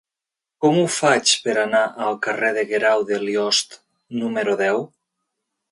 Com ho faig per anar al carrer de Guerau de Liost número deu?